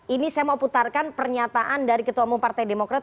ini saya mau putarkan pernyataan dari ketua umum partai demokrat